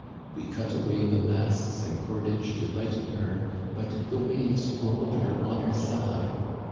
We cut away the masts and cordage to lighten her, but the waves rolled her on her side.